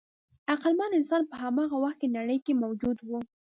عقلمن انسان په هماغه وخت کې نړۍ کې موجود و.